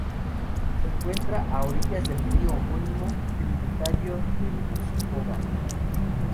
Se encuentra a orillas del río homónimo, tributario del Moscova.